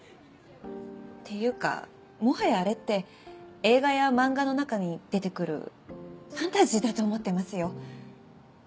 ていうかもはやあれって映画や漫画の中に出てくるファンタジーだと思ってますよ。